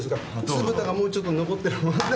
酢豚がもうちょっと残ってるもので。